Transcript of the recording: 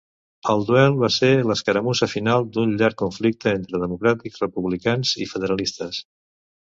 El duel va ser l'escaramussa final d'un llarg conflicte entre democràtics-republicans i federalistes.